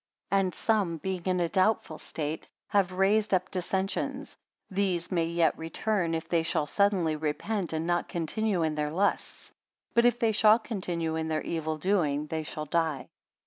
69 And some being in a doubtful state, have raise up dissensions: these may yet return, if they shall suddenly repent and not continue in their lusts; but if they shall continue in their evil doing they shall die.